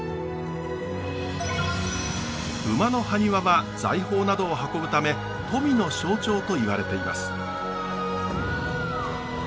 馬のハニワは財宝などを運ぶため富の象徴と言われています。